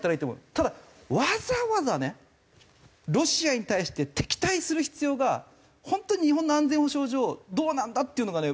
ただわざわざねロシアに対して敵対する必要が本当に日本の安全保障上どうなんだっていうのがね